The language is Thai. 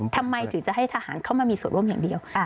ทำไมถึงจะให้ทหารเข้ามามีส่วนร่วมอย่างเดียว